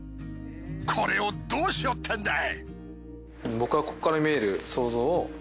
これをどうしようってんだい？